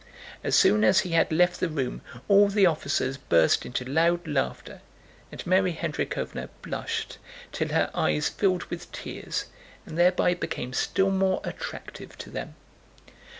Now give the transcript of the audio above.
As soon as he had left the room all the officers burst into loud laughter and Mary Hendríkhovna blushed till her eyes filled with tears and thereby became still more attractive to them.